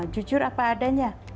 jujur apa adanya